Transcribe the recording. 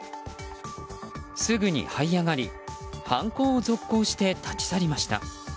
すぐにはい上がり犯行を続行して、立ち去りました。